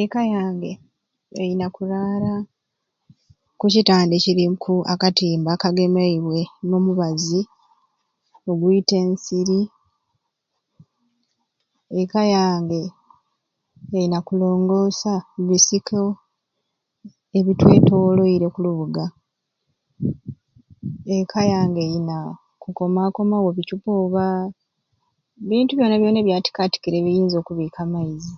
Ekka yange eyina kurara ku kitanda ekiriku akatimba akagemeibwe nomubazi oguita ensiri, ekka yange eyina kulongosa bisiko ebitwetoloire oku lubuuga, ekka yange eyina kukomakomawo biccupa oba bintu byona byona ebyatika atikire ebiyinza okubika amaizi.